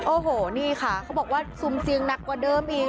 โอ้โหนี่ค่ะเขาบอกว่าซุ่มเสี่ยงหนักกว่าเดิมอีก